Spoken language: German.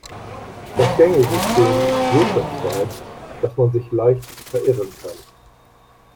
Das Gängesystem ist so verzweigt, dass man sich leicht verirren kann.